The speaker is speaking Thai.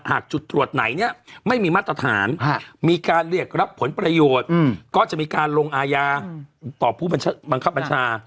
จุดตรวจไหนเนี่ยไม่มีมาตรฐานมีการเรียกรับผลประโยชน์ก็จะมีการลงอาญาต่อผู้บังคับบัญชา